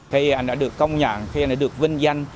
khi anh đã được công nhận khi anh đã được vinh danh